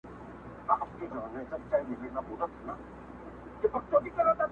لاس تر غاړه له خپل بخت سره جوړه سوه٫